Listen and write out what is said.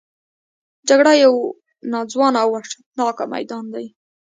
جګړه یو ناځوانه او وحشتناک میدان دی